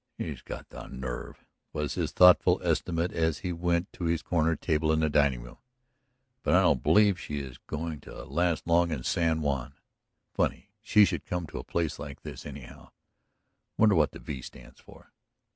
"She's got the nerve," was his thoughtful estimate as he went to his corner table in the dining room. "But I don't believe she is going to last long in San Juan. ... Funny she should come to a place like this, anyhow. ... Wonder what the V stands for?"